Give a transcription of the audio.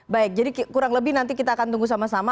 baik jadi kurang lebih nanti kita akan tunggu sama sama